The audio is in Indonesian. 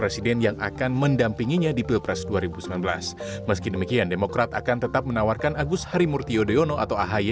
sekjen demokrat akan tetap menawarkan agus harimurti yudhoyono atau ahi